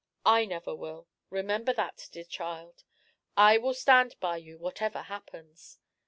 I never will. Remember that, dear child. I will stand by you whatever happens."